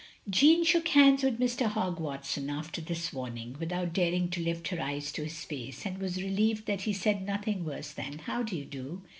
Jeanne shook hands with Mr. Hogg Watson, after this warning, without daring to lift her eyes to his face; and was relieved that he said nothing worse than "How do you do?"